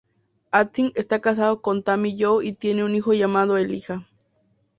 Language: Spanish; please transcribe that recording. Atkins está casado con Tammy Jo y tiene un hijo llamado Elijah.